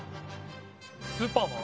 スーパーマン？